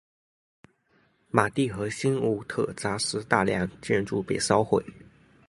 马蒂和新武特扎斯大量建筑被烧毁。